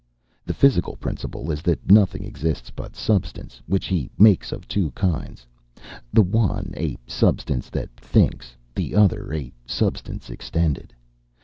The physical principle is that nothing exists but substance, which he makes of two kinds the one a substance that thinks, the other a substance extended.